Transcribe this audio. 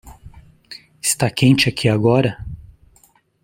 Está quente aqui agora?